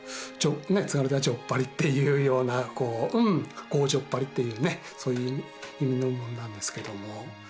津軽ではじょっぱりっていうような強情っぱりっていうねそういう意味のものなんですけども。